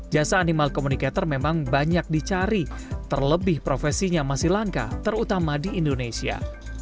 jasa animal communicator memang banyak dicari terlebih profesinya masih langka terutama di indonesia